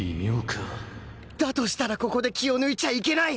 だとしたらここで気を抜いちゃいけない！